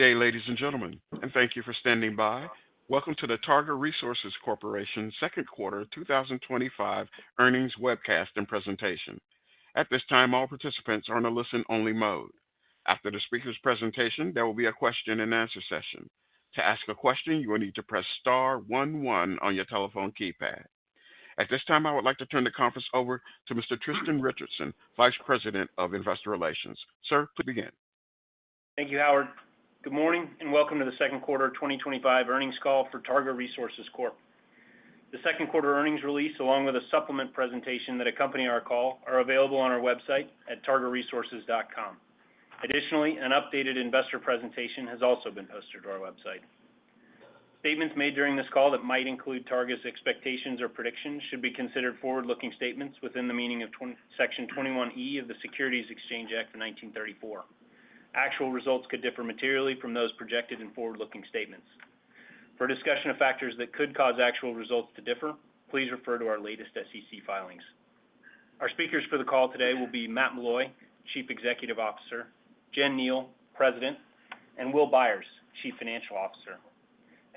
Good day, ladies and gentlemen, and thank you for standing by. Welcome to the Targa Resources Corporation's second quarter 2025 earnings webcast and presentation. At this time, all participants are in a listen-only mode. After the speaker's presentation, there will be a question and answer session. To ask a question, you will need to press *11 on your telephone keypad. At this time, I would like to turn the conference over to Mr. Tristan Richardson, Vice President of Investor Relations. Sir, please begin. Thank you, Howard. Good morning and welcome to the second quarter 2025 earnings call for Targa Resources Corporation. The second quarter earnings release, along with a supplemental presentation that accompanies our call, are available on our website at targaresources.com. Additionally, an updated investor presentation has also been posted to our website. Statements made during this call that might include Targa's expectations or predictions should be considered forward-looking statements within the meaning of Section 21E of the Securities Exchange Act of 1934. Actual results could differ materially from those projected in forward-looking statements. For discussion of factors that could cause actual results to differ, please refer to our latest SEC filings. Our speakers for the call today will be Matt Meloy, Chief Executive Officer; Jen Kneale, President; and Will Byers, Chief Financial Officer.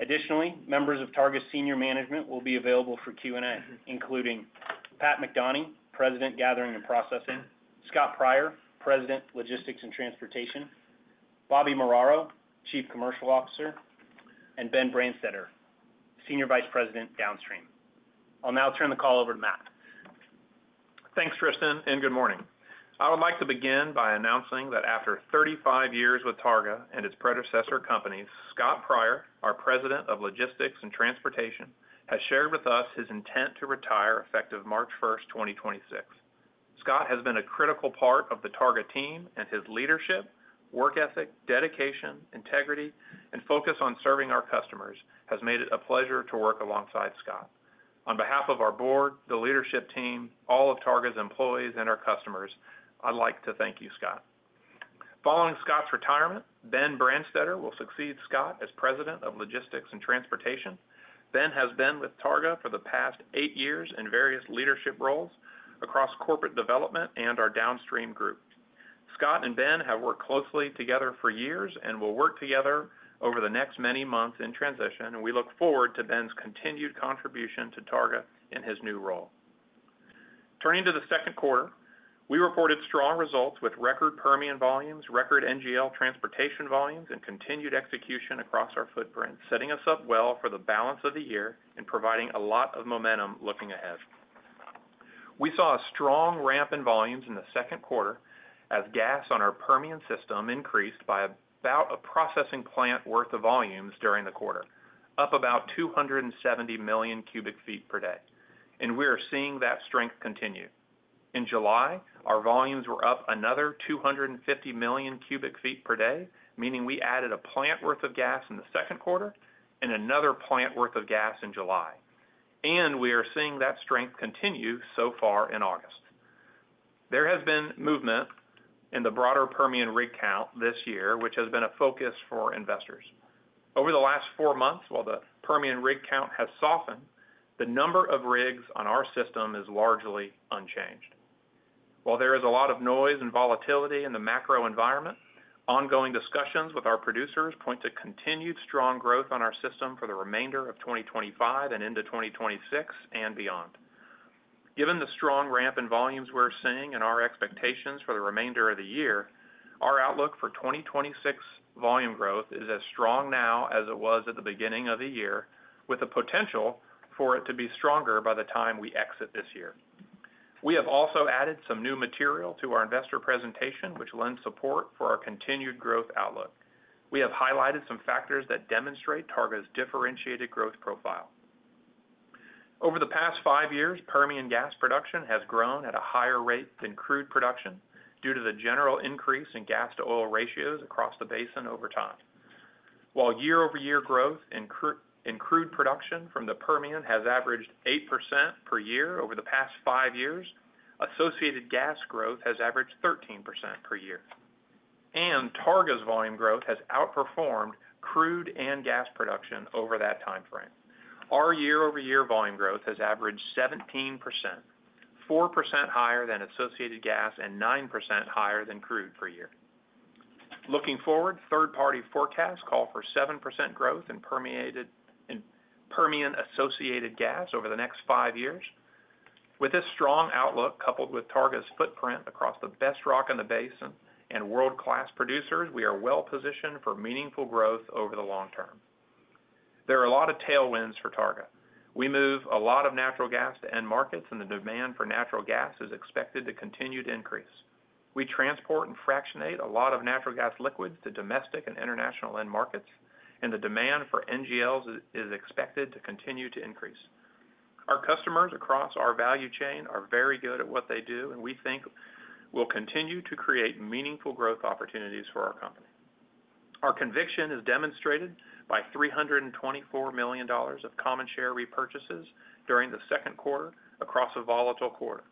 Additionally, members of Targa's senior management will be available for Q&A, including Pat McDonie, President, Gathering and Processing; Scott Pryor, President, Logistics and Transportation; Bobby Muraro, Chief Commercial Officer; and Ben Branstetter, Senior Vice President, Downstream. I'll now turn the call over to Matt. Thanks, Tristan, and good morning. I would like to begin by announcing that after 35 years with Targa Resources and its predecessor companies, Scott Pryor, our President of Logistics and Transportation, has shared with us his intent to retire effective March 1st, 2026. Scott has been a critical part of the Targa team, and his leadership, work ethic, dedication, integrity, and focus on serving our customers has made it a pleasure to work alongside Scott. On behalf of our board, the leadership team, all of Targa's employees, and our customers, I'd like to thank you, Scott. Following Scott's retirement, Ben Branstetter will succeed Scott as President of Logistics and Transportation. Ben has been with Targa for the past eight years in various leadership roles across corporate development and our downstream group. Scott and Ben have worked closely together for years and will work together over the next many months in transition, and we look forward to Ben's continued contribution to Targa in his new role. Turning to the second quarter, we reported strong results with record Permian volumes, record NGL transportation volumes, and continued execution across our footprint, setting us up well for the balance of the year and providing a lot of momentum looking ahead. We saw a strong ramp in volumes in the second quarter as gas on our Permian system increased by about a processing plant worth of volumes during the quarter, up about 270 million cu ft per day. We are seeing that strength continue. In July, our volumes were up another 250 million cu ft per day, meaning we added a plant worth of gas in the second quarter and another plant worth of gas in July. We are seeing that strength continue so far in August. There has been movement in the broader Permian rig count this year, which has been a focus for investors. Over the last four months, while the Permian rig count has softened, the number of rigs on our system is largely unchanged. While there is a lot of noise and volatility in the macro environment, ongoing discussions with our producers point to continued strong growth on our system for the remainder of 2025 and into 2026 and beyond. Given the strong ramp in volumes we're seeing and our expectations for the remainder of the year, our outlook for 2026 volume growth is as strong now as it was at the beginning of the year, with the potential for it to be stronger by the time we exit this year. We have also added some new material to our investor presentation, which lends support for our continued growth outlook. We have highlighted some factors that demonstrate Targa's differentiated growth profile. Over the past five years, Permian gas production has grown at a higher rate than crude production due to the general increase in gas-to-oil ratios across the basin over time. While year-over-year growth in crude production from the Permian has averaged 8% per year over the past five years, associated gas growth has averaged 13% per year. Targa's volume growth has outperformed crude and gas production over that timeframe. Our year-over-year volume growth has averaged 17%, 4% higher than associated gas and 9% higher than crude per year. Looking forward, third-party forecasts call for 7% growth in Permian associated gas over the next five years. With this strong outlook, coupled with Targa's footprint across the best rock in the basin and world-class producers, we are well positioned for meaningful growth over the long term. There are a lot of tailwinds for Targa. We move a lot of natural gas to end markets, and the demand for natural gas is expected to continue to increase. We transport and fractionate a lot of natural gas liquids to domestic and international end markets, and the demand for NGLs is expected to continue to increase. Our customers across our value chain are very good at what they do, and we think we'll continue to create meaningful growth opportunities for our company. Our conviction is demonstrated by $324 million of common share repurchases during the second quarter across a volatile quarter.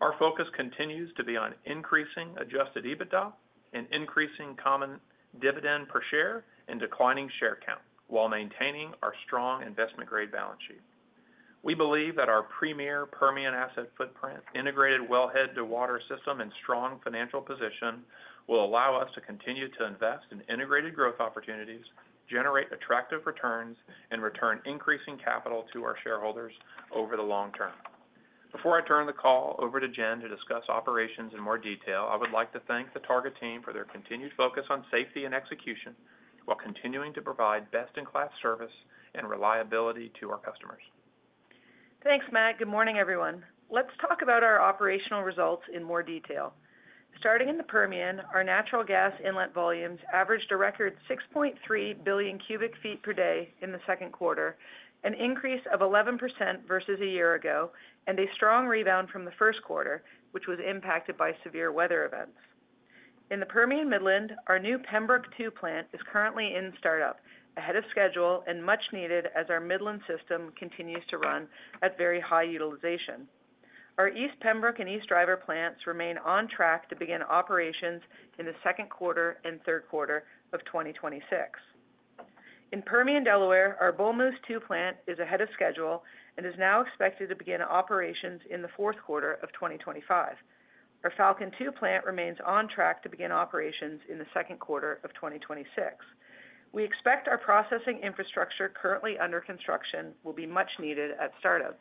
Our focus continues to be on increasing adjusted EBITDA and increasing common dividend per share and declining share count while maintaining our strong investment-grade balance sheet. We believe that our premier Permian asset footprint, integrated wellhead-to-water system, and strong financial position will allow us to continue to invest in integrated growth opportunities, generate attractive returns, and return increasing capital to our shareholders over the long term. Before I turn the call over to Jen to discuss operations in more detail, I would like to thank the Targa team for their continued focus on safety and execution while continuing to provide best-in-class service and reliability to our customers. Thanks, Matt. Good morning, everyone. Let's talk about our operational results in more detail. Starting in the Permian, our natural gas inlet volumes averaged a record 6.3 billion cu ft per day in the second quarter, an increase of 11% versus a year ago, and a strong rebound from the first quarter, which was impacted by severe weather events. In the Permian Midland, our new Pembrook II plant is currently in startup, ahead of schedule and much needed as our Midland system continues to run at very high utilization. Our East Pembrook and East Driver plants remain on track to begin operations in the second quarter and third quarter of 2026. In Permian Delaware, our Bull Moose II plant is ahead of schedule and is now expected to begin operations in the fourth quarter of 2025. Our Falcon II plant remains on track to begin operations in the second quarter of 2026. We expect our processing infrastructure currently under construction will be much needed at startup.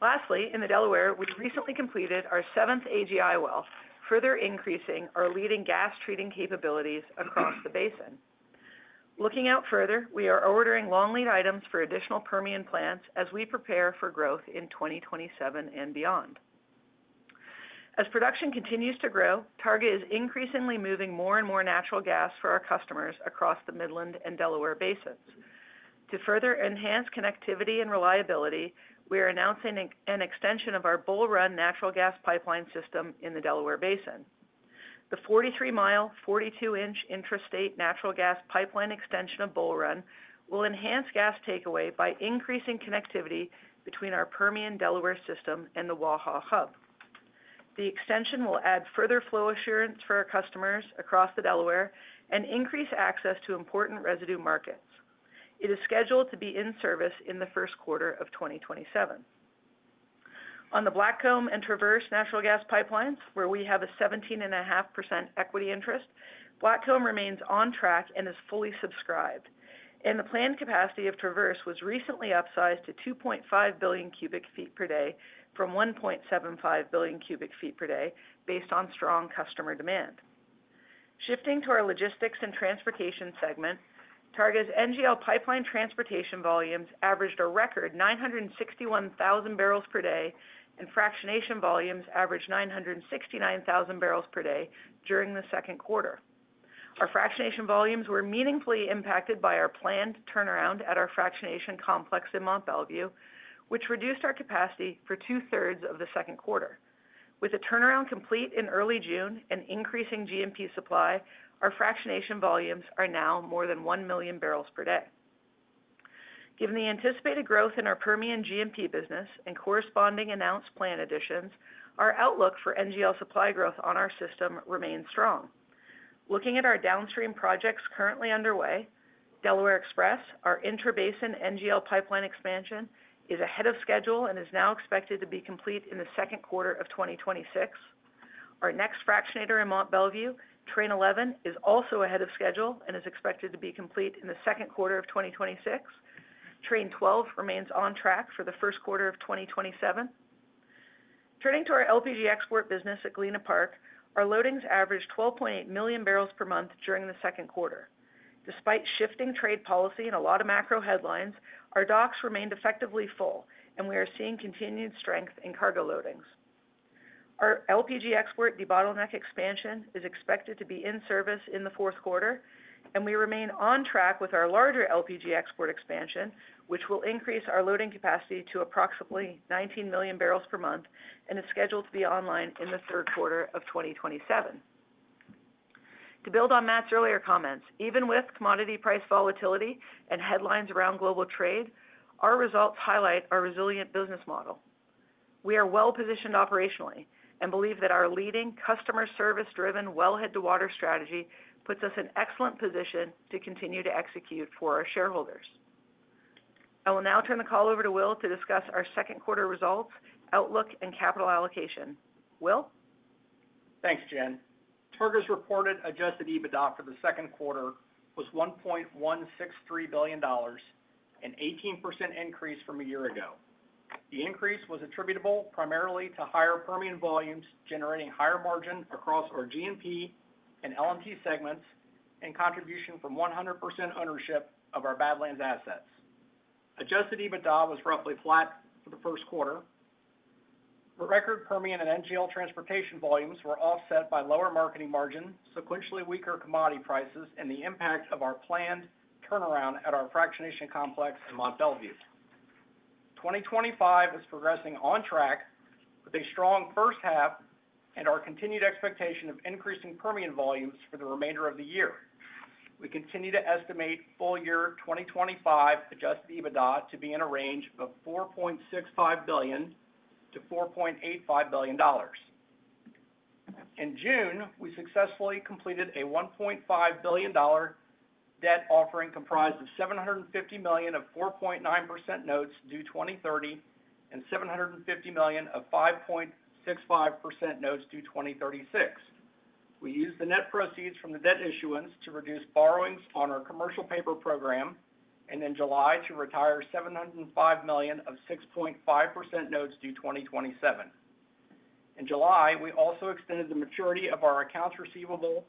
Lastly, in the Delaware, we recently completed our seventh AGI well, further increasing our leading gas treating capabilities across the basin. Looking out further, we are ordering long lead items for additional Permian plants as we prepare for growth in 2027 and beyond. As production continues to grow, Targa is increasingly moving more and more natural gas for our customers across the Midland and Delaware basins. To further enhance connectivity and reliability, we are announcing an extension of our Bull Run natural gas pipeline system in the Delaware Basin. The 43 mi, 42 in intrastate natural gas pipeline extension of Bull Run will enhance gas takeaway by increasing connectivity between our Permian Delaware system and the Waha Hub. The extension will add further flow assurance for our customers across the Delaware and increase access to important residue markets. It is scheduled to be in service in the first quarter of 2027. On the Blackcomb and Traverse natural gas pipelines, where we have a 17.5% equity interest, Blackcomb remains on track and is fully subscribed. The planned capacity of Traverse was recently upsized to 2.5 billion cu ft per day from 1.75 billion cu ft per day, based on strong customer demand. Shifting to our Logistics and Transportation segment, Targa's NGL pipeline transportation volumes averaged a record 961,000 barrels per day, and fractionation volumes averaged 969,000 barrels per day during the second quarter. Our fractionation volumes were meaningfully impacted by our planned turnaround at our fractionation complex in Mont Belvieu, which reduced our capacity for 2/3 of the second quarter. With the turnaround complete in early June and increasing GMP supply, our fractionation volumes are now more than 1 million barrels per day. Given the anticipated growth in our Permian GMP business and corresponding announced plant additions, our outlook for NGL supply growth on our system remains strong. Looking at our downstream projects currently underway, Delaware Express, our intrabasin NGL pipeline expansion, is ahead of schedule and is now expected to be complete in the second quarter of 2026. Our next fractionator in Mont Belvieu, Train 11, is also ahead of schedule and is expected to be complete in the second quarter of 2026. Train 12 remains on track for the first quarter of 2027. Turning to our LPG export business at Galena Park, our loadings averaged 12.8 million barrels per month during the second quarter. Despite shifting trade policy and a lot of macro headlines, our docks remained effectively full, and we are seeing continued strength in cargo loadings. Our LPG export debottleneck expansion is expected to be in service in the fourth quarter, and we remain on track with our larger LPG export expansion, which will increase our loading capacity to approximately 19 million barrels per month and is scheduled to be online in the third quarter of 2027. To build on Matt's earlier comments, even with commodity price volatility and headlines around global trade, our results highlight our resilient business model. We are well-positioned operationally and believe that our leading customer service-driven wellhead-to-water strategy puts us in an excellent position to continue to execute for our shareholders. I will now turn the call over to Will to discuss our second quarter results, outlook, and capital allocation. Will? Thanks, Jen. Targa's reported adjusted EBITDA for the second quarter was $1.163 billion, an 18% increase from a year ago. The increase was attributable primarily to higher Permian volumes generating higher margin across our GMP and LMP segments and contribution from 100% ownership of our Badlands assets. Adjusted EBITDA was roughly flat for the first quarter. The record Permian and NGL transportation volumes were offset by lower marketing margin, sequentially weaker commodity prices, and the impact of our planned turnaround at our fractionation complex in Mont Belvieu. 2025 is progressing on track with a strong first half and our continued expectation of increasing Permian volumes for the remainder of the year. We continue to estimate full-year 2025 adjusted EBITDA to be in a range of $4.65 billion-$4.85 billion. In June, we successfully completed a $1.5 billion debt offering comprised of $750 million of 4.9% notes due 2030 and $750 million of 5.65% notes due 2036. We used the net proceeds from the debt issuance to reduce borrowings on our commercial paper program and in July to retire $705 million of 6.5% notes due 2027. In July, we also extended the maturity of our accounts receivable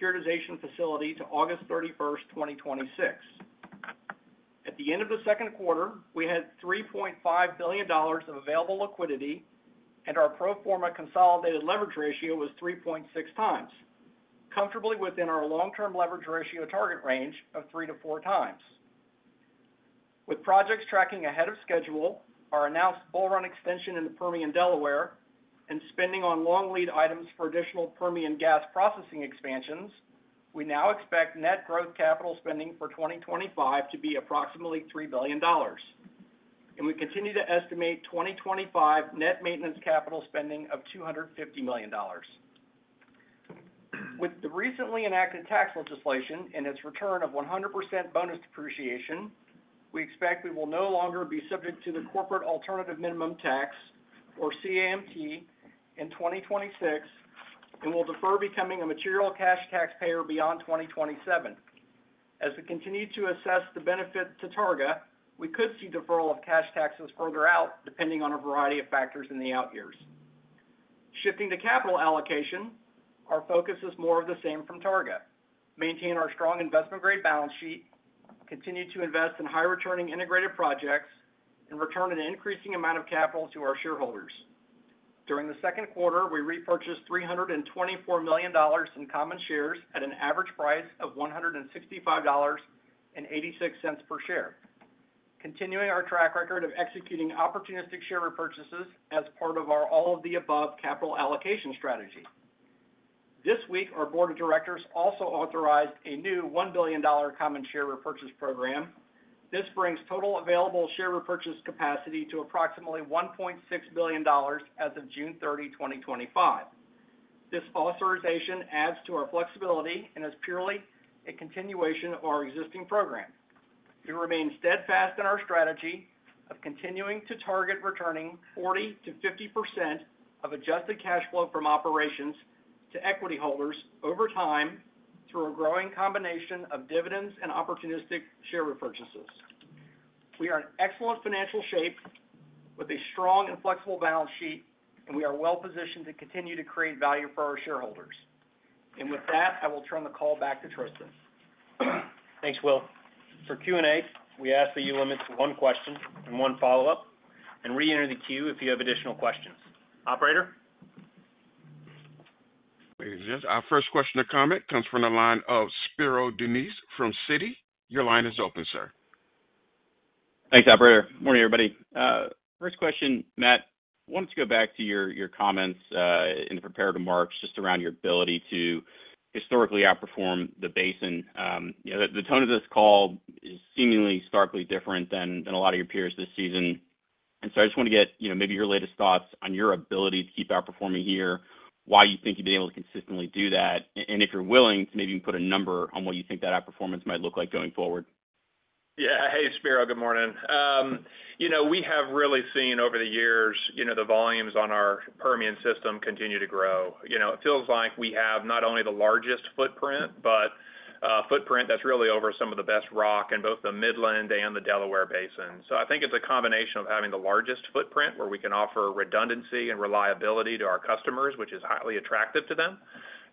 securitization facility to August 31st, 2026. At the end of the second quarter, we had $3.5 billion of available liquidity, and our pro forma consolidated leverage ratio was 3.6x, comfortably within our long-term leverage ratio target range of 3x-4x. With projects tracking ahead of schedule, our announced Bull Run extension in the Permian Delaware, and spending on long lead items for additional Permian gas processing expansions, we now expect net growth capital spending for 2025 to be approximately $3 billion. We continue to estimate 2025 net maintenance capital spending of $250 million. With the recently enacted tax legislation and its return of 100% bonus depreciation, we expect we will no longer be subject to the Corporate Alternative Minimum Tax, or CAMT, in 2026 and will defer becoming a material cash taxpayer beyond 2027. As we continue to assess the benefit to Targa, we could see deferral of cash taxes further out depending on a variety of factors in the out years. Shifting to capital allocation, our focus is more of the same from Targa. Maintain our strong investment-grade balance sheet, continue to invest in high-returning integrated projects, and return an increasing amount of capital to our shareholders. During the second quarter, we repurchased $324 million in common shares at an average price of $165.86 per share, continuing our track record of executing opportunistic share repurchases as part of our all-of-the-above capital allocation strategy. This week, our Board of Directors also authorized a new $1 billion common share repurchase program. This brings total available share repurchase capacity to approximately $1.6 billion as of June 30, 2025. This authorization adds to our flexibility and is purely a continuation of our existing program. We remain steadfast in our strategy of continuing to target returning 40% to 50% of adjusted cash flow from operations to equity holders over time through a growing combination of dividends and opportunistic share repurchases. We are in excellent financial shape with a strong and flexible balance sheet, and we are well positioned to continue to create value for our shareholders. I will turn the call back to Tristan. Thanks, Will. For Q&A, we ask that you limit to one question and one follow-up and re-enter the queue if you have additional questions. Operator? Our first question or comment comes from the line of Spiro Dounis from Citi. Your line is open, sir. Thanks, Operator. Morning, everybody. First question, Matt, I wanted to go back to your comments in the prepared remarks just around your ability to historically outperform the basin. The tone of this call is seemingly starkly different than a lot of your peers this season. I just want to get your latest thoughts on your ability to keep outperforming here, why you think you've been able to consistently do that, and if you're willing to maybe even put a number on what you think that outperformance might look like going forward. Yeah, hey, Spiro, good morning. We have really seen over the years the volumes on our Permian system continue to grow. It feels like we have not only the largest footprint, but a footprint that's really over some of the best rock in both the Midland and the Delaware Basin. I think it's a combination of having the largest footprint where we can offer redundancy and reliability to our customers, which is highly attractive to them,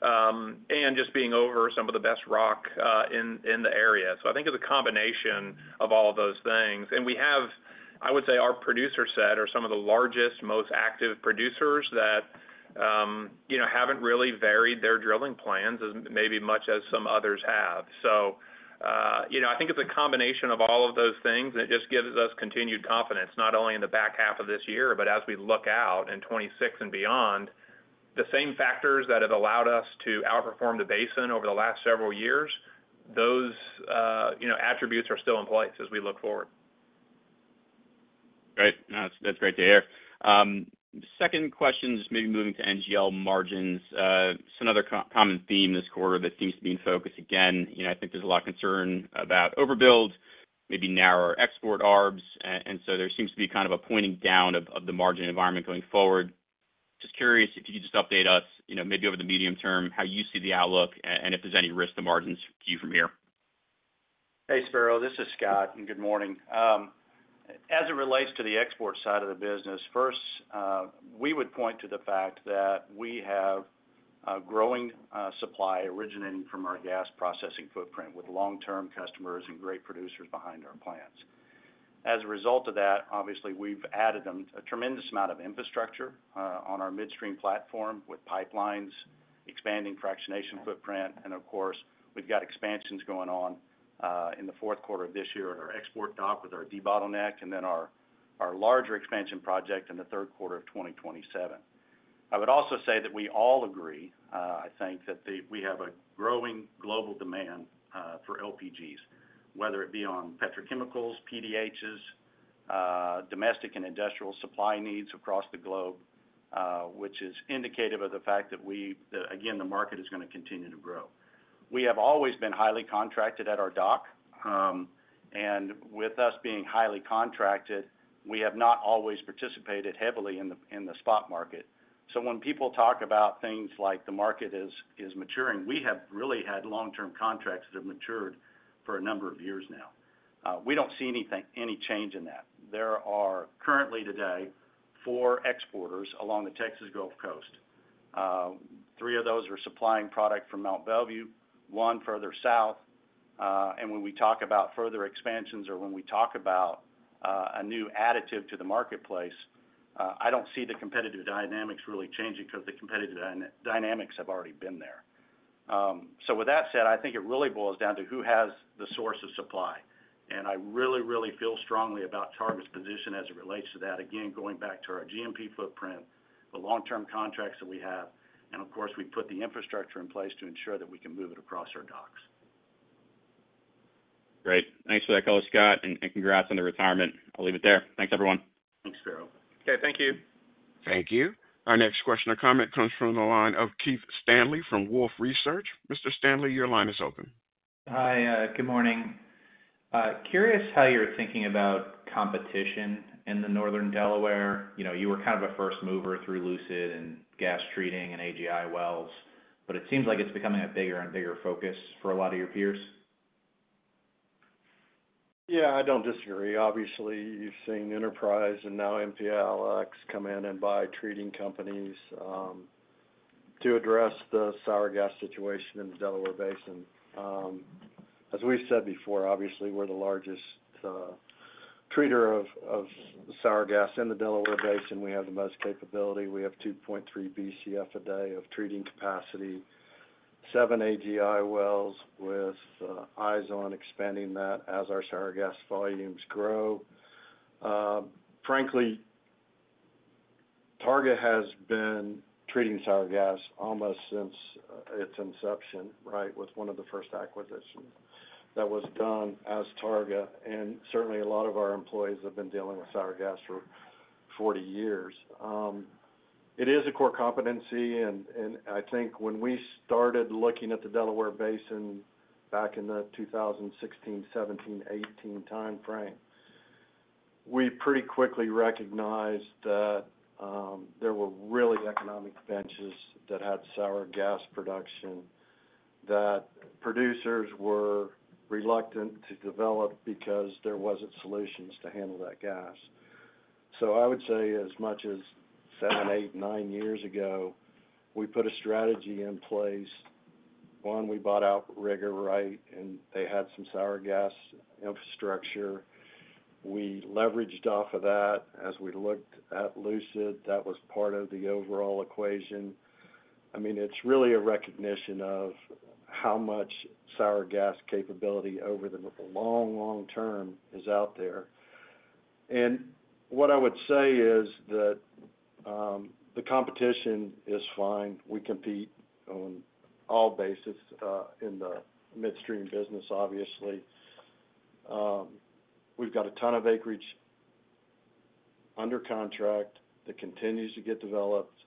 and just being over some of the best rock in the area. I think it's a combination of all of those things. We have, I would say, our producer set are some of the largest, most active producers that haven't really varied their drilling plans as maybe much as some others have. I think it's a combination of all of those things, and it just gives us continued confidence, not only in the back half of this year, but as we look out in 2026 and beyond, the same factors that have allowed us to outperform the basin over the last several years, those attributes are still in place as we look forward. Right. No, that's great to hear. Second question is maybe moving to NGL margins. It's another common theme this quarter that seems to be in focus. Again, I think there's a lot of concern about overbuilds, maybe narrower export ARBs, and there seems to be kind of a pointing down of the margin environment going forward. Just curious if you could just update us, maybe over the medium term, how you see the outlook and if there's any risk to margins for you from here. Hey, Spiro, this is Scott and good morning. As it relates to the export side of the business, first, we would point to the fact that we have a growing supply originating from our gas processing footprint with long-term customers and great producers behind our plants. As a result of that, obviously, we've added a tremendous amount of infrastructure on our midstream platform with pipelines, expanding fractionation footprint, and of course, we've got expansions going on in the fourth quarter of this year at our export dock with our debottleneck and then our larger expansion project in the third quarter of 2027. I would also say that we all agree, I think, that we have a growing global demand for LPGs, whether it be on petrochemicals, PDHs, domestic and industrial supply needs across the globe, which is indicative of the fact that we, again, the market is going to continue to grow. We have always been highly contracted at our dock, and with us being highly contracted, we have not always participated heavily in the spot market. When people talk about things like the market is maturing, we have really had long-term contracts that have matured for a number of years now. We don't see any change in that. There are currently today four exporters along the Texas Gulf Coast. Three of those are supplying product from Mont Belvieu, one further south, and when we talk about further expansions or when we talk about a new additive to the marketplace, I don't see the competitive dynamics really changing because the competitive dynamics have already been there. That said, I think it really boils down to who has the source of supply. I really, really feel strongly about Targa's position as it relates to that. Again, going back to our GMP footprint, the long-term contracts that we have, and of course, we put the infrastructure in place to ensure that we can move it across our docks. Great. Thanks for that call, Scott, and congrats on the retirement. I'll leave it there. Thanks, everyone. Thanks, Spiro. Okay, thank you. Thank you. Our next question or comment comes from the line of Keith Stanley from Wolfe Research. Mr. Stanley, your line is open. Hi, good morning. Curious how you're thinking about competition in the Northern Delaware. You know, you were kind of a first mover through Lucid and gas treating and AGI wells, but it seems like it's becoming a bigger and bigger focus for a lot of your peers. Yeah, I don't disagree. Obviously, you've seen Enterprise and now MPLX come in and buy treating companies to address the sour gas situation in the Delaware Basin. As we said before, obviously, we're the largest treater of sour gas in the Delaware Basin. We have the most capability. We have 2.3 BCF a day of treating capacity, seven AGI wells with eyes on expanding that as our sour gas volumes grow. Frankly, Targa has been treating sour gas almost since its inception, right, with one of the first acquisitions that was done as Targa. Certainly, a lot of our employees have been dealing with sour gas for 40 years. It is a core competency. I think when we started looking at the Delaware Basin back in the 2016, 2017, 2018 timeframe, we pretty quickly recognized that there were really economic benches that had sour gas production that producers were reluctant to develop because there weren't solutions to handle that gas. I would say as much as seven, eight, nine years ago, we put a strategy in place. One, we bought out [Rigor Rite], and they had some sour gas infrastructure. We leveraged off of that as we looked at Lucid. That was part of the overall equation. It's really a recognition of how much sour gas capability over the long, long term is out there. What I would say is that the competition is fine. We compete on all bases in the midstream business, obviously. We've got a ton of acreage under contract that continues to get developed.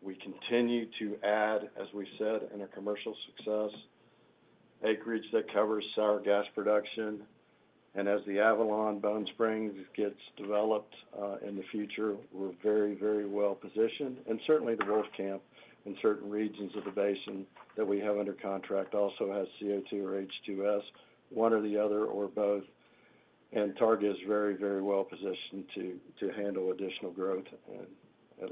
We continue to add, as we said, in our commercial success, acreage that covers sour gas production. As the Avalon Bone Springs gets developed in the future, we're very, very well positioned. Certainly, the Wolfcamp in certain regions of the basin that we have under contract also has CO2 or H2S, one or the other or both. Targa is very, very well positioned to handle additional growth.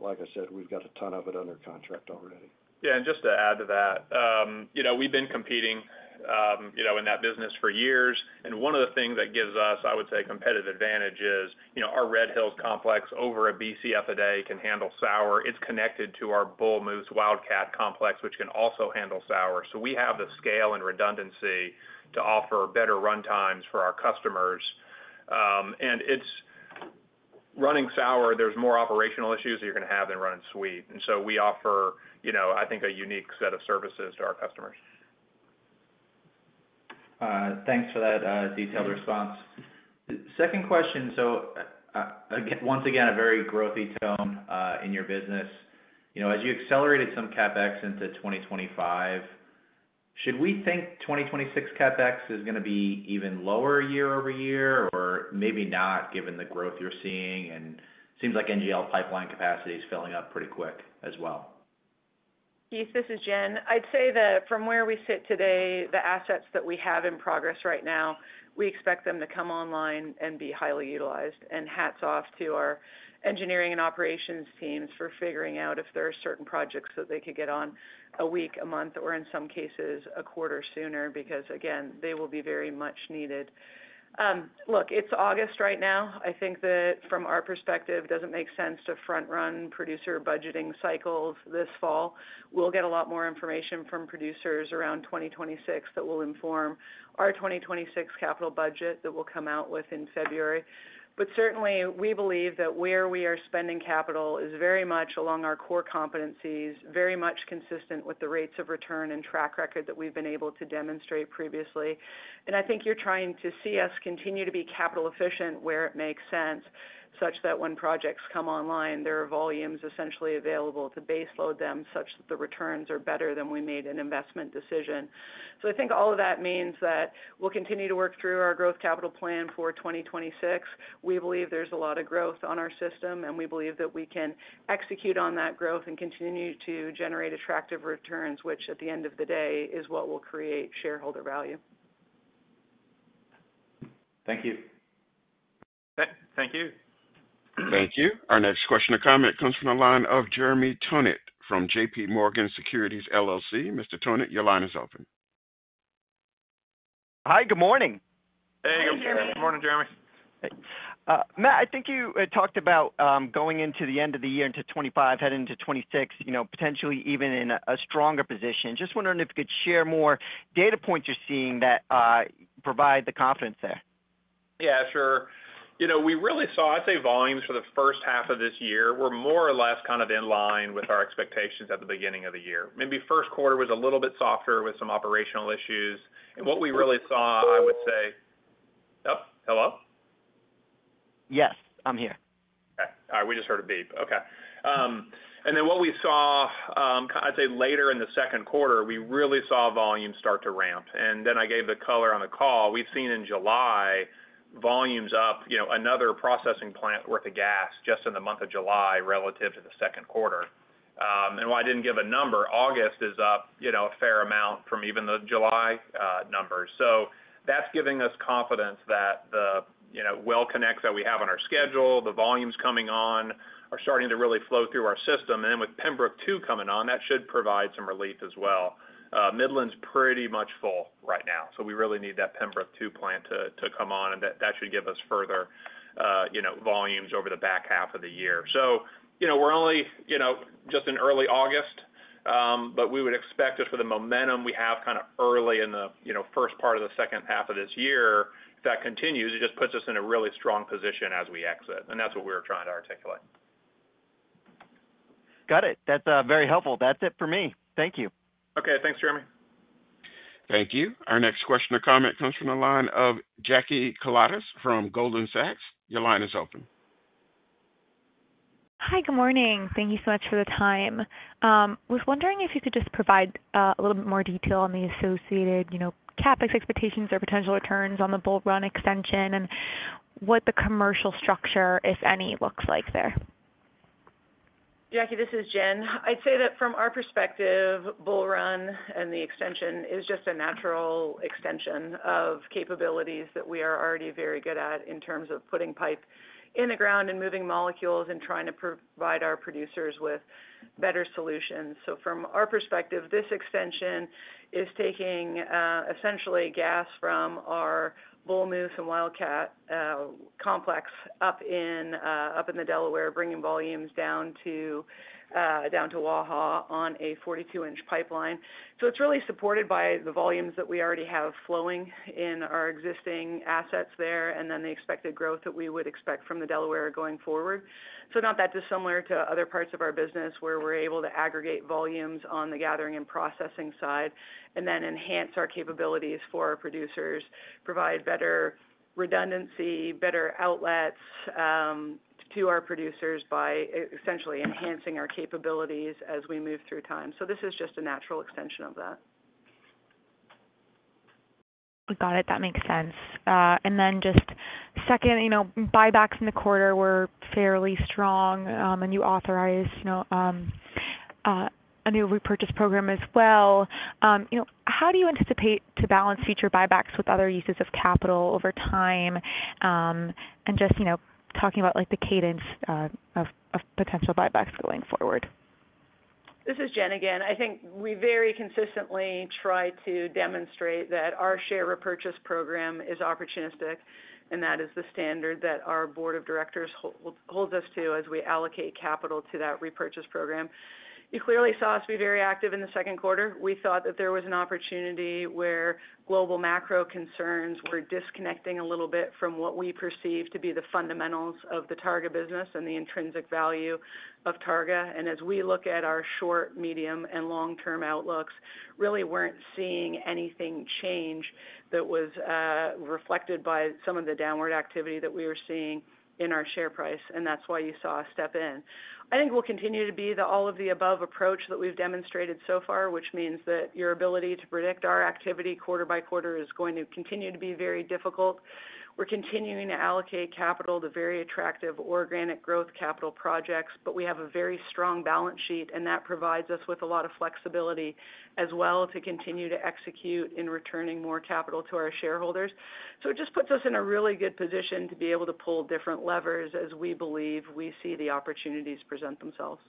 Like I said, we've got a ton of it under contract already. Yeah, and just to add to that, we've been competing in that business for years. One of the things that gives us, I would say, a competitive advantage is our Red Hills complex, over a BCF a day, can handle sour. It's connected to our Bull Moose Wildcat complex, which can also handle sour. We have the scale and redundancy to offer better runtimes for our customers. When it's running sour, there are more operational issues that you're going to have than running sweet. We offer, I think, a unique set of services to our customers. Thanks for that detailed response. Second question, once again, a very growthy tone in your business. You know, as you accelerated some CapEx into 2025, should we think 2026 CapEx is going to be even lower year-over-year, or maybe not given the growth you're seeing? It seems like NGL pipeline capacity is filling up pretty quick as well. Keith, this is Jen. I'd say that from where we sit today, the assets that we have in progress right now, we expect them to come online and be highly utilized. Hats off to our engineering and operations teams for figuring out if there are certain projects that they could get on a week, a month, or in some cases, a quarter sooner because, again, they will be very much needed. It's August right now. I think that from our perspective, it doesn't make sense to front-run producer budgeting cycles this fall. We'll get a lot more information from producers around 2026 that will inform our 2026 capital budget that we'll come out with in February. Certainly, we believe that where we are spending capital is very much along our core competencies, very much consistent with the rates of return and track record that we've been able to demonstrate previously. I think you're trying to see us continue to be capital efficient where it makes sense, such that when projects come online, there are volumes essentially available to baseload them, such that the returns are better than we made an investment decision. I think all of that means that we'll continue to work through our growth capital plan for 2026. We believe there's a lot of growth on our system, and we believe that we can execute on that growth and continue to generate attractive returns, which at the end of the day is what will create shareholder value. Thank you. Thank you. Thank you. Our next question or comment comes from the line of Jeremy Tonet from JPMorgan Securities LLC. Mr. Tonet, your line is open. Hi, good morning. Hey, good morning, Jeremy. Hey, Matt, I think you talked about going into the end of the year into 2025, heading into 2026, you know, potentially even in a stronger position. Just wondering if you could share more data points you're seeing that provide the confidence there. Yeah, sure. We really saw, I'd say, volumes for the first half of this year were more or less kind of in line with our expectations at the beginning of the year. Maybe the first quarter was a little bit softer with some operational issues. What we really saw, I would say, yep, hello? Yes, I'm here. All right, we just heard a beep. What we saw later in the second quarter, we really saw volume start to ramp. I gave the color on the call. We've seen in July volumes up another processing plant worth of gas just in the month of July relative to the second quarter. While I didn't give a number, August is up a fair amount from even the July numbers. That's giving us confidence that the well connects that we have on our schedule, the volumes coming on are starting to really flow through our system. With Pembrook II coming on, that should provide some relief as well. Midland's pretty much full right now. We really need that Pembrook II plant to come on, and that should give us further volumes over the back half of the year. We're only just in early August, but we would expect for the momentum we have kind of early in the first part of the second half of this year. If that continues, it just puts us in a really strong position as we exit. That's what we were trying to articulate. Got it. That's very helpful. That's it for me. Thank you. Okay, thanks, Jeremy. Thank you. Our next question or comment comes from the line of Jacky Koletas from Goldman Sachs. Your line is open. Hi, good morning. Thank you so much for the time. I was wondering if you could just provide a little bit more detail on the associated CapEx expectations or potential returns on the Bull Run extension and what the commercial structure, if any, looks like there. Jackie, this is Jen. I'd say that from our perspective, Bull Run and the extension is just a natural extension of capabilities that we are already very good at in terms of putting pipe in the ground and moving molecules and trying to provide our producers with better solutions. From our perspective, this extension is taking essentially gas from our Bull Moose and Wildcat complex up in the Delaware, bringing volumes down to Waha on a 42 in pipeline. It is really supported by the volumes that we already have flowing in our existing assets there and then the expected growth that we would expect from the Delaware going forward. This is not that dissimilar to other parts of our business where we're able to aggregate volumes on the gathering and processing side and then enhance our capabilities for our producers, provide better redundancy, better outlets to our producers by essentially enhancing our capabilities as we move through time. This is just a natural extension of that. Got it. That makes sense. Just second, you know, buybacks in the quarter were fairly strong. You authorized, you know, a new repurchase program as well. How do you anticipate to balance future buybacks with other uses of capital over time? Just, you know, talking about like the cadence of potential buybacks going forward. This is Jen again. I think we very consistently try to demonstrate that our share repurchase program is opportunistic, and that is the standard that our Board of Directors holds us to as we allocate capital to that repurchase program. You clearly saw us be very active in the second quarter. We thought that there was an opportunity where global macro concerns were disconnecting a little bit from what we perceive to be the fundamentals of the Targa business and the intrinsic value of Targa. As we look at our short, medium, and long-term outlooks, we really weren't seeing anything change that was reflected by some of the downward activity that we were seeing in our share price. That's why you saw us step in. I think we'll continue to be the all-of-the-above approach that we've demonstrated so far, which means that your ability to predict our activity quarter by quarter is going to continue to be very difficult. We're continuing to allocate capital to very attractive organic growth capital projects, but we have a very strong balance sheet, and that provides us with a lot of flexibility as well to continue to execute in returning more capital to our shareholders. It just puts us in a really good position to be able to pull different levers as we believe we see the opportunities present themselves.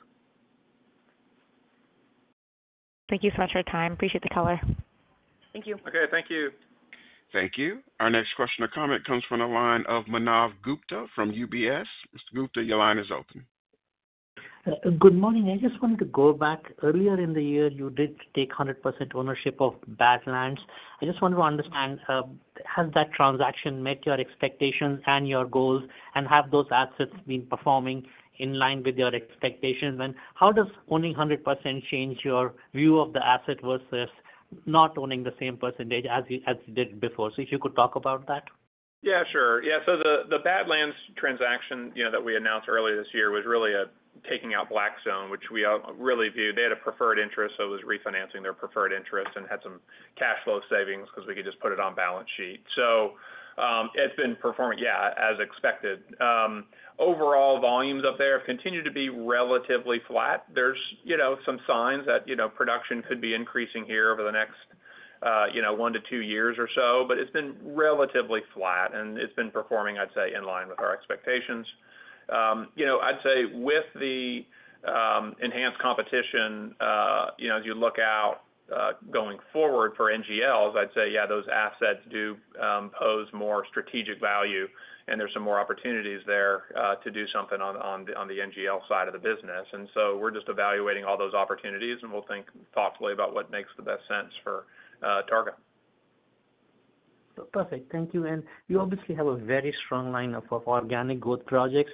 Thank you so much for your time. Appreciate the color. Thank you. Okay, thank you. Thank you. Our next question or comment comes from the line of Manav Gupta from UBS. Mr. Gupta, your line is open. Good morning. I just wanted to go back. Earlier in the year, you did take 100% ownership of Badlands. I just wanted to understand, has that transaction met your expectations and your goals, and have those assets been performing in line with your expectations? How does owning 100% change your view of the asset versus not owning the same percentage as you did before? If you could talk about that. Yeah, sure. The Badlands transaction that we announced earlier this year was really taking out Blackstone, which we really viewed as having a preferred interest, so it was refinancing their preferred interest and had some cash flow savings because we could just put it on balance sheet. It's been performing as expected. Overall, volumes up there have continued to be relatively flat. There are some signs that production could be increasing here over the next one to two years or so, but it's been relatively flat and it's been performing, I'd say, in line with our expectations. With the enhanced competition, as you look out going forward for NGLs, I'd say those assets do pose more strategic value and there are some more opportunities there to do something on the NGL side of the business. We are just evaluating all those opportunities and we'll think thoughtfully about what makes the best sense for Targa. Perfect. Thank you. You obviously have a very strong lineup of organic growth projects.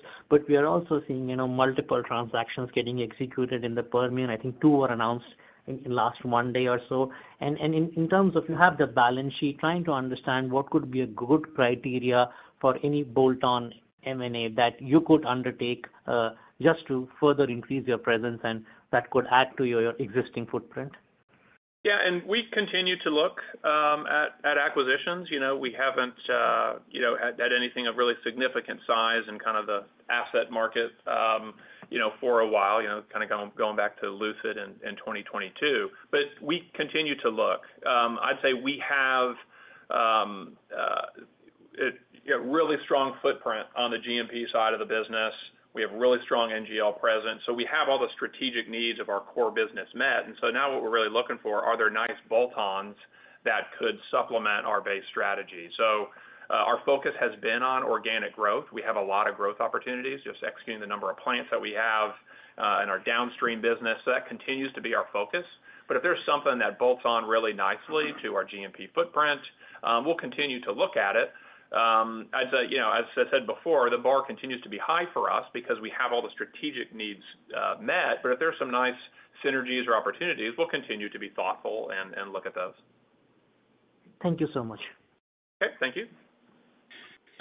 We are also seeing multiple transactions getting executed in the Permian. I think two were announced in the last Monday or so. In terms of you have the balance sheet, trying to understand what could be a good criteria for any bolt-on M&A that you could undertake just to further increase your presence and that could add to your existing footprint. Yeah, and we continue to look at acquisitions. We haven't had anything of really significant size in kind of the asset market for a while, kind of going back to Lucid in 2022. We continue to look. I'd say we have a really strong footprint on the GMP side of the business. We have really strong NGL presence. We have all the strategic needs of our core business met. Now what we're really looking for are there nice bolt-ons that could supplement our base strategy. Our focus has been on organic growth. We have a lot of growth opportunities, just executing the number of plants that we have in our downstream business. That continues to be our focus. If there's something that bolts on really nicely to our GMP footprint, we'll continue to look at it. I'd say, as I said before, the bar continues to be high for us because we have all the strategic needs met. If there's some nice synergies or opportunities, we'll continue to be thoughtful and look at those. Thank you so much. Okay, thank you.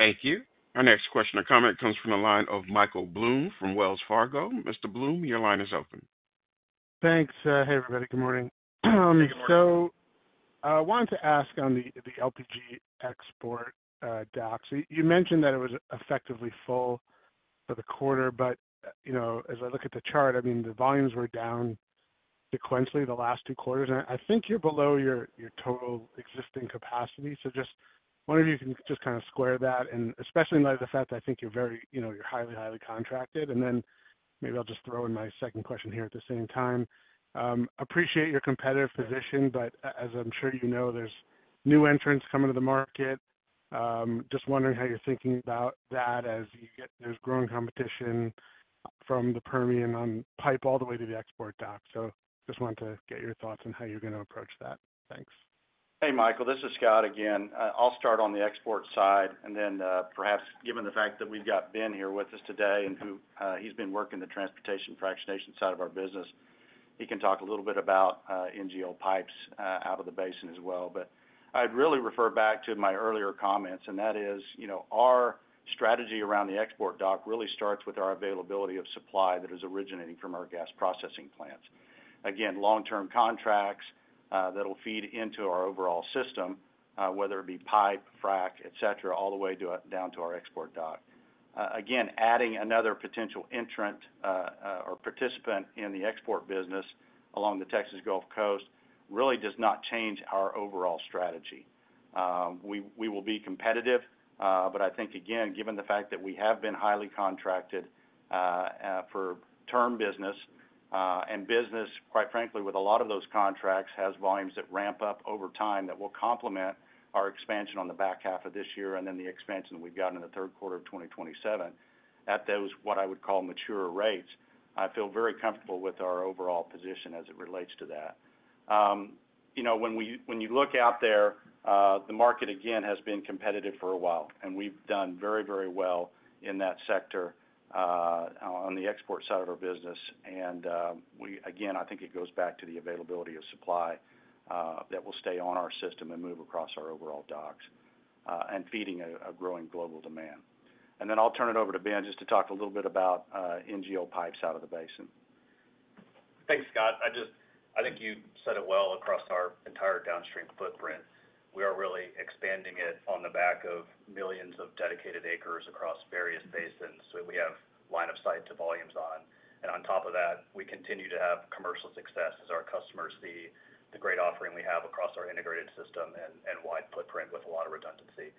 Thank you. Our next question or comment comes from the line of Michael Blum from Wells Fargo. Mr. Blum, your line is open. Thanks. Hey, everybody. Good morning. I wanted to ask on the LPG export docks. You mentioned that it was effectively full for the quarter, but as I look at the chart, the volumes were down sequentially the last two quarters. I think you're below your total existing capacity. I'm just wondering if you can kind of square that, especially in light of the fact that I think you're very, you know, you're highly, highly contracted. Maybe I'll just throw in my second question here at the same time. I appreciate your competitive position, but as I'm sure you know, there are new entrants coming to the market. I'm just wondering how you're thinking about that as you get this growing competition from the Permian on pipe all the way to the export dock. I just wanted to get your thoughts on how you're going to approach that. Thanks. Hey, Michael. This is Scott again. I'll start on the export side, and then perhaps, given the fact that we've got Ben here with us today and who has been working the transportation and fractionation side of our business, he can talk a little bit about NGL pipes out of the basin as well. I'd really refer back to my earlier comments, and that is, our strategy around the export dock really starts with our availability of supply that is originating from our gas processing plants. Again, long-term contracts that will feed into our overall system, whether it be pipe, frack, etc., all the way down to our export dock. Adding another potential entrant or participant in the export business along the Texas Gulf Coast really does not change our overall strategy. We will be competitive, but I think, given the fact that we have been highly contracted for term business, and business, quite frankly, with a lot of those contracts has volumes that ramp up over time that will complement our expansion on the back half of this year and then the expansion that we've got in the third quarter of 2027 at those, what I would call, mature rates, I feel very comfortable with our overall position as it relates to that. When you look out there, the market has been competitive for a while, and we've done very, very well in that sector on the export side of our business. I think it goes back to the availability of supply that will stay on our system and move across our overall docks and feeding a growing global demand. I'll turn it over to Ben just to talk a little bit about NGL pipes out of the basin. Thanks, Scott. I think you said it well across our entire downstream footprint. We are really expanding it on the back of millions of dedicated acres across various basins. We have line of sight to volumes on, and on top of that, we continue to have commercial success as our customers see the great offering we have across our integrated system and wide footprint with a lot of redundancy.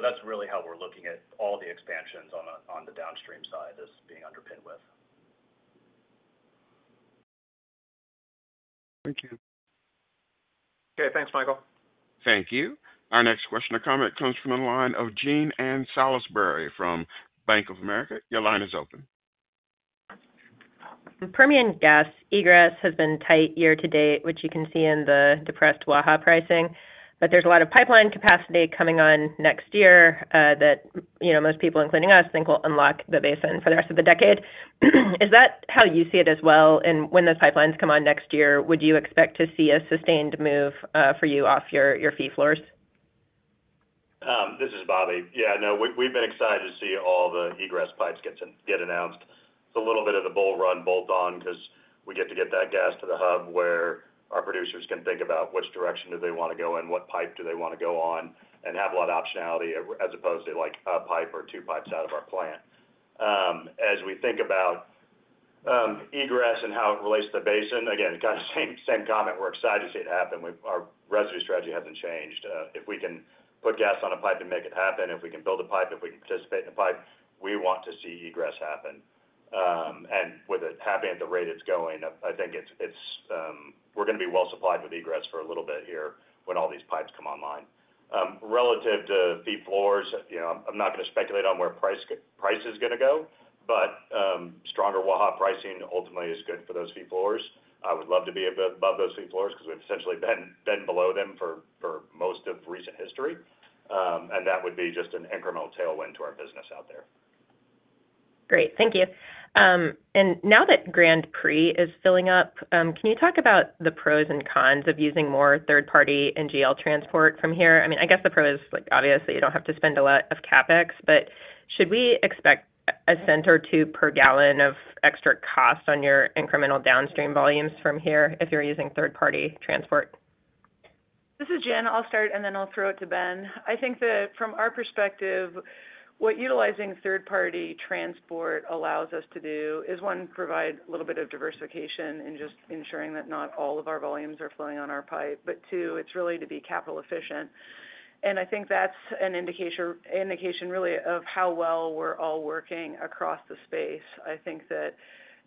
That's really how we're looking at all the expansions on the downstream side as being underpinned with. Thank you. Okay, thanks, Michael. Thank you. Our next question or comment comes from a line of Jean Ann Salisbury from Bank of America. Your line is open. Permian gas egress has been tight year to date, which you can see in the depressed Waha pricing. There is a lot of pipeline capacity coming on next year that, you know, most people, including us, think will unlock the basin for the rest of the decade. Is that how you see it as well? When those pipelines come on next year, would you expect to see a sustained move for you off your fee floors? Yeah, no, we've been excited to see all the egress pipes get announced. It's a little bit of the Bull Run bolt-on because we get to get that gas to the hub where our producers can think about which direction they want to go in, what pipe they want to go on, and have a lot of optionality as opposed to like a pipe or two pipes out of our plant. As we think about egress and how it relates to the basin, again, kind of the same comment. We're excited to see it happen. Our residue strategy hasn't changed. If we can put gas on a pipe and make it happen, if we can build a pipe, if we can participate in a pipe, we want to see egress happen. With it happening at the rate it's going, I think we're going to be well supplied with egress for a little bit here when all these pipes come online. Relative to fee floors, you know, I'm not going to speculate on where price is going to go, but stronger Waha pricing ultimately is good for those fee floors. I would love to be above those fee floors because we've essentially been below them for most of recent history. That would be just an incremental tailwind to our business out there. Great. Thank you. Now that Grand Prix is filling up, can you talk about the pros and cons of using more third-party NGL transport from here? I mean, I guess the pro is obvious that you don't have to spend a lot of CapEx, but should we expect $0.01 or $0.02 per gallon of extra cost on your incremental downstream volumes from here if you're using third-party transport? This is Jen. I'll start and then I'll throw it to Ben. I think that from our perspective, what utilizing third-party transport allows us to do is, one, provide a little bit of diversification in just ensuring that not all of our volumes are flowing on our pipe, but two, it's really to be capital efficient. I think that's an indication of how well we're all working across the space. I think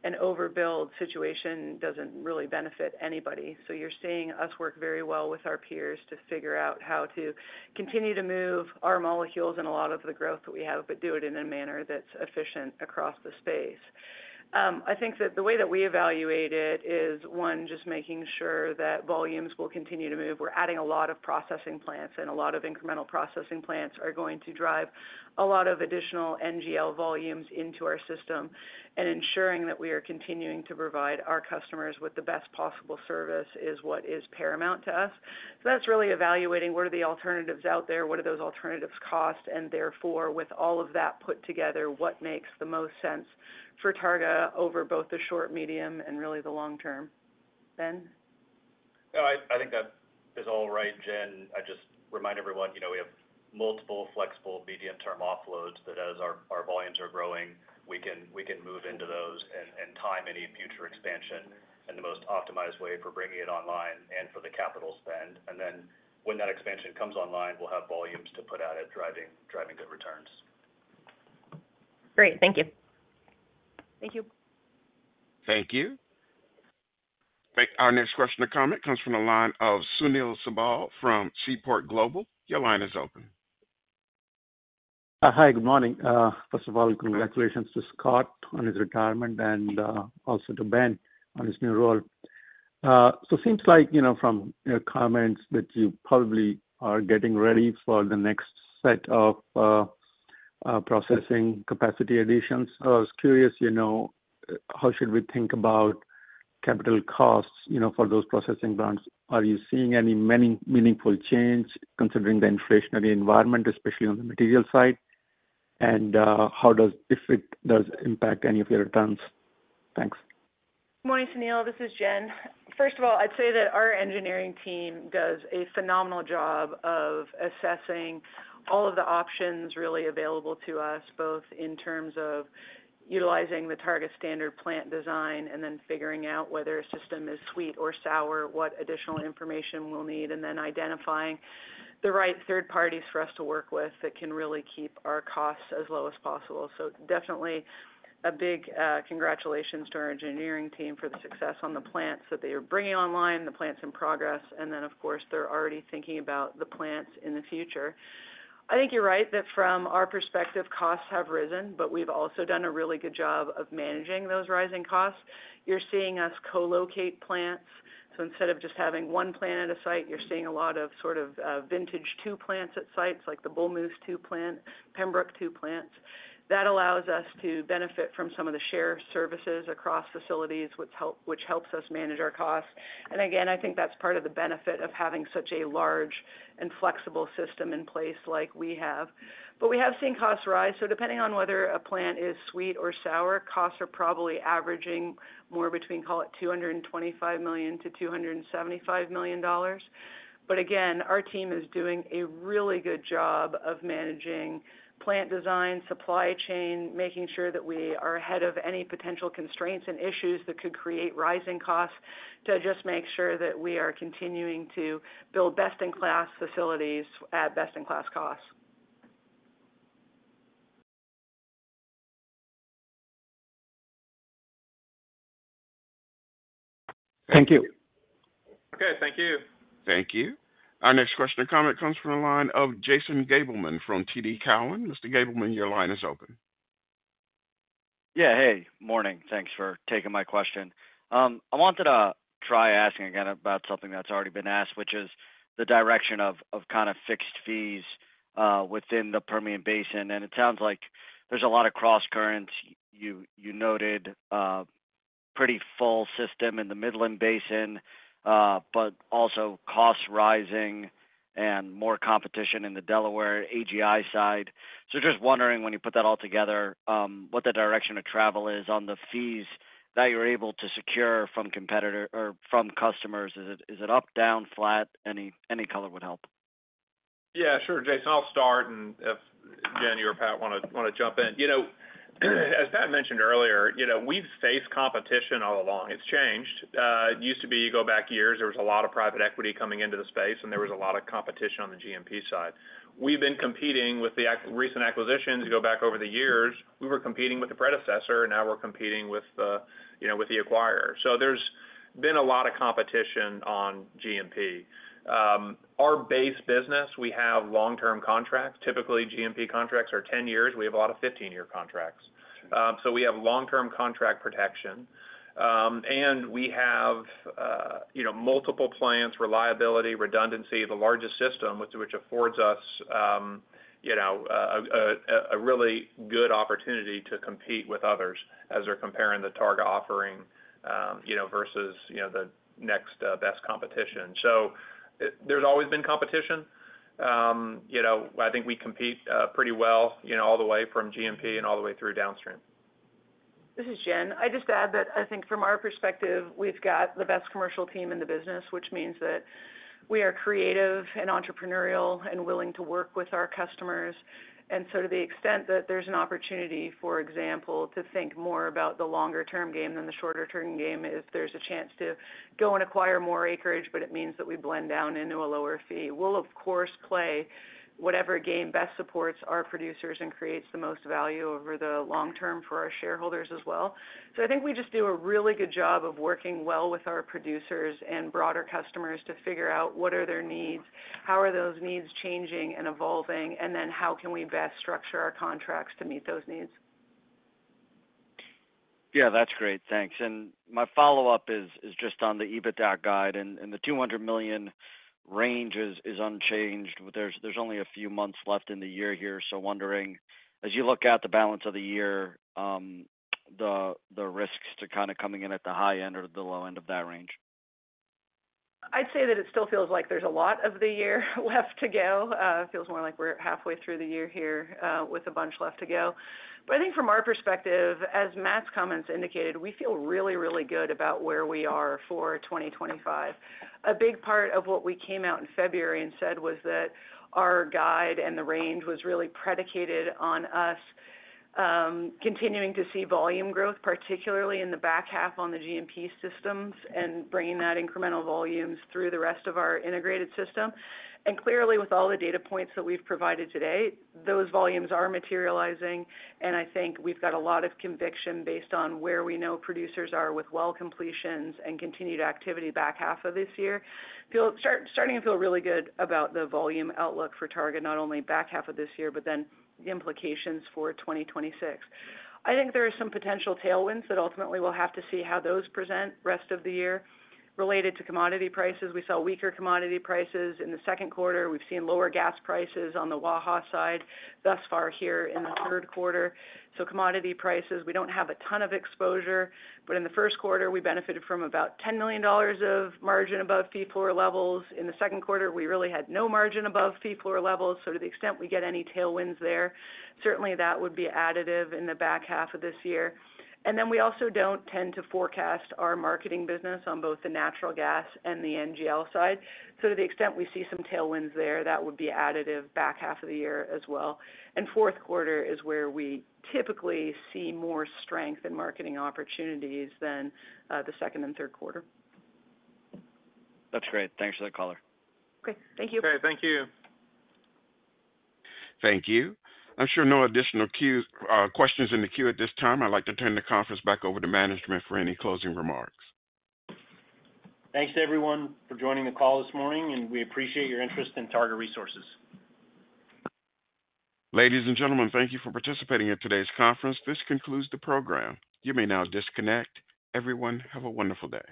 that an overbuild situation doesn't really benefit anybody. You're seeing us work very well with our peers to figure out how to continue to move our molecules and a lot of the growth that we have, but do it in a manner that's efficient across the space. I think that the way that we evaluate it is, one, just making sure that volumes will continue to move. We're adding a lot of processing plants, and a lot of incremental processing plants are going to drive a lot of additional NGL volumes into our system. Ensuring that we are continuing to provide our customers with the best possible service is what is paramount to us. That's really evaluating what are the alternatives out there, what do those alternatives cost, and therefore, with all of that put together, what makes the most sense for Targa over both the short, medium, and really the long term. Ben? No, I think that is all right, Jen. I just remind everyone, you know, we have multiple flexible medium-term offloads that, as our volumes are growing, we can move into those and time any future expansion in the most optimized way for bringing it online and for the capital spend. When that expansion comes online, we'll have volumes to put out at driving good returns. Great, thank you. Thank you. Thank you. Our next question or comment comes from the line of Sunil Sibal from Seaport Global. Your line is open. Hi, good morning. First of all, congratulations to Scott on his retirement and also to Ben on his new role. It seems like, you know, from your comments that you probably are getting ready for the next set of processing capacity additions. I was curious, you know, how should we think about capital costs, you know, for those processing plants? Are you seeing any meaningful change considering the inflationary environment, especially on the material side? How does it impact any of your returns? Thanks. Morning, Sunil. This is Jen. First of all, I'd say that our engineering team does a phenomenal job of assessing all of the options really available to us, both in terms of utilizing the Targa standard plant design and then figuring out whether a system is sweet or sour, what additional information we'll need, and then identifying the right third parties for us to work with that can really keep our costs as low as possible. Definitely a big congratulations to our engineering team for the success on the plants that they are bringing online, the plants in progress, and, of course, they're already thinking about the plants in the future. I think you're right that from our perspective, costs have risen, but we've also done a really good job of managing those rising costs. You're seeing us co-locate plants. Instead of just having one plant at a site, you're seeing a lot of sort of vintage two plants at sites, like the Bull Moose II plants, Pembrook II plants. That allows us to benefit from some of the shared services across facilities, which helps us manage our costs. I think that's part of the benefit of having such a large and flexible system in place like we have. We have seen costs rise. Depending on whether a plant is sweet or sour, costs are probably averaging more between, call it, $225 million to $275 million. Our team is doing a really good job of managing plant design, supply chain, making sure that we are ahead of any potential constraints and issues that could create rising costs to just make sure that we are continuing to build best-in-class facilities at best-in-class costs. Thank you. Okay, thank you. Thank you. Our next question or comment comes from the line of Jason Gabelman from TD Cowen. Mr. Gabelman, your line is open. Yeah, hey, morning. Thanks for taking my question. I wanted to try asking again about something that's already been asked, which is the direction of kind of fixed fees within the Permian Basin. It sounds like there's a lot of cross-currents. You noted a pretty full system in the Midland Basin, but also costs rising and more competition in the Delaware AGI side. Just wondering, when you put that all together, what the direction of travel is on the fees that you're able to secure from competitors or from customers? Is it up, down, flat? Any color would help. Yeah, sure, Jason. I'll start, and if Jen, you or Pat want to jump in. As Pat mentioned earlier, we've faced competition all along. It's changed. It used to be, you go back years, there was a lot of private equity coming into the space, and there was a lot of competition on the GMP side. We've been competing with the recent acquisitions. You go back over the years, we were competing with the predecessor, and now we're competing with the acquirer. There's been a lot of competition on GMP. Our base business, we have long-term contracts. Typically, GMP contracts are 10 years. We have a lot of 15-year contracts. We have long-term contract protection. We have multiple plants, reliability, redundancy, the largest system, which affords us a really good opportunity to compete with others as they're comparing the Targa offering versus the next best competition. There's always been competition. I think we compete pretty well, all the way from GMP and all the way through downstream. This is Jen. I just add that I think from our perspective, we've got the best commercial team in the business, which means that we are creative and entrepreneurial and willing to work with our customers. To the extent that there's an opportunity, for example, to think more about the longer-term game than the shorter-term game, if there's a chance to go and acquire more acreage, but it means that we blend down into a lower fee, we'll, of course, play whatever game best supports our producers and creates the most value over the long term for our shareholders as well. I think we just do a really good job of working well with our producers and broader customers to figure out what are their needs, how are those needs changing and evolving, and then how can we best structure our contracts to meet those needs. Yeah, that's great. Thanks. My follow-up is just on the EBITDA guide, and the $200 million range is unchanged. There's only a few months left in the year here. Wondering, as you look at the balance of the year, the risks to kind of coming in at the high end or the low end of that range. I'd say that it still feels like there's a lot of the year left to go. It feels more like we're halfway through the year here with a bunch left to go. I think from our perspective, as Matt's comments indicated, we feel really, really good about where we are for 2025. A big part of what we came out in February and said was that our guide and the range was really predicated on us continuing to see volume growth, particularly in the back half on the GMP systems and bringing that incremental volumes through the rest of our integrated system. Clearly, with all the data points that we've provided today, those volumes are materializing. I think we've got a lot of conviction based on where we know producers are with well completions and continued activity back half of this year. Starting to feel really good about the volume outlook for Targa, not only back half of this year, but then the implications for 2026. I think there are some potential tailwinds that ultimately we'll have to see how those present the rest of the year. Related to commodity prices, we saw weaker commodity prices in the second quarter. We've seen lower gas prices on the Waha side thus far here in the third quarter. Commodity prices, we don't have a ton of exposure, but in the first quarter, we benefited from about $10 million of margin above fee floor levels. In the second quarter, we really had no margin above fee floor levels. To the extent we get any tailwinds there, certainly that would be additive in the back half of this year. We also don't tend to forecast our marketing business on both the natural gas and the NGL side. To the extent we see some tailwinds there, that would be additive back half of the year as well. Fourth quarter is where we typically see more strength in marketing opportunities than the second and third quarter. That's great. Thanks for that color. Okay, thank you. Okay, thank you. Thank you. I'm sure no additional questions in the queue at this time. I'd like to turn the conference back over to management for any closing remarks. Thanks to everyone for joining the call this morning, and we appreciate your interest in Targa Resources. Ladies and gentlemen, thank you for participating in today's conference. This concludes the program. You may now disconnect. Everyone, have a wonderful day.